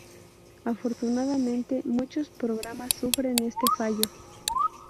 Afortunadamente, muchos programas sufren este fallo.